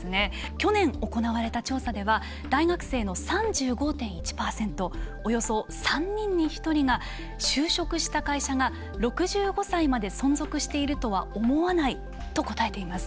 去年行われた調査では大学生の３５．１％およそ３人に１人が就職した会社が６５歳まで存続しているとは思わないと答えています。